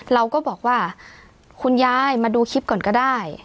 เราก็บอกว่าคุณยายมาดูคลิปก่อนก็ได้